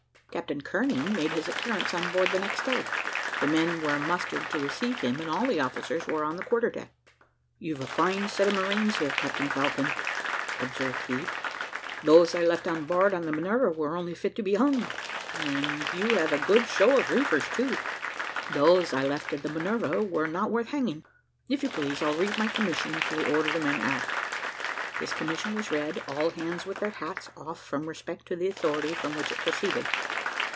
Captain Kearney made his appearance on board the next day. The men were mustered to receive him, and all the officers were on the quarter deck "You've a fine set of marines here, Captain Falcon," observed he; "those I left on board of the Minerve were only fit to be hung; and you have a good show of reefers too those I left in the Minerve were not worth hanging. If you please, I'll read my commission if you'll order the men aft." His commission was read, all hands with their hats off from respect to the authority from which it proceeded.